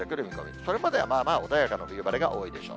それまではまあまあ穏やかな冬晴れが多いでしょう。